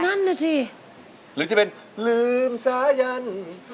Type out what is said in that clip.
นั่นแหละสิหรือที่เป็นลืมสายันสายัน